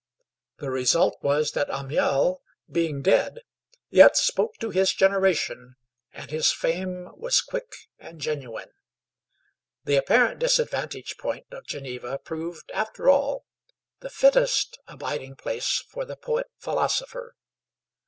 The result was that Amiel, being dead, yet spoke to his generation, and his fame was quick and genuine. The apparent disadvantage point of Geneva proved, after all, the fittest abiding place for the poet philosopher.